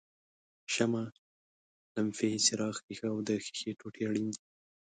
شمع، لمپې څراغ ښيښه او د ښیښې ټوټه اړین دي.